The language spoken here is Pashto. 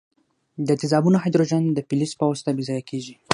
د تیزابونو هایدروجن د فلز په واسطه بې ځایه کیږي.